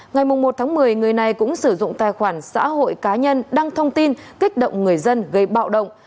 ngày một một mươi người này cũng sử dụng tài khoản xã hội cá nhân đăng thông tin kích động người dân gây bạo động